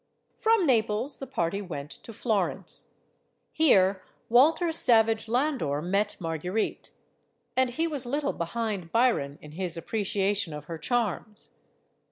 From Naples the party went to Florence Here Walter Savage Landor met Marguerite. And he was little behind Byron in his appreciation of her charms.